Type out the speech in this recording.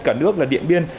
cả nước là điện biên